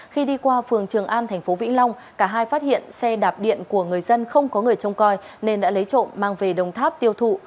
khi đi qua phường trường an thành phố vĩnh long cả hai phát hiện xe đạp điện của người dân không có người trông coi nên đã lấy trộm mang về đồng tháp tiêu thụ